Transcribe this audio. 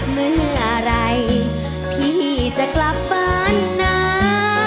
เมื่อไหร่พี่จะกลับบ้านนะ